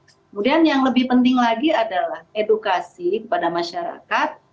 kemudian yang lebih penting lagi adalah edukasi kepada masyarakat